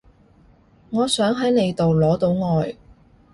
我想喺你度攞到愛